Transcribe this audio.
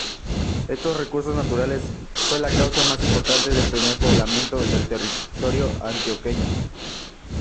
Estos recursos naturales fue la causa más importante del primer poblamiento del territorio antioqueño.